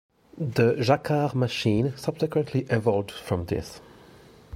The Jacquard machine subsequently evolved from this.